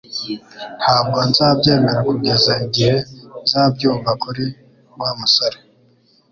Ntabwo nzabyemera kugeza igihe nzabyumva kuri Wa musore